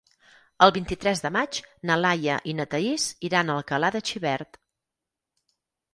El vint-i-tres de maig na Laia i na Thaís iran a Alcalà de Xivert.